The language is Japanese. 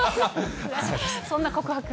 そんな告白。